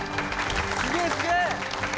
すげえすげえ！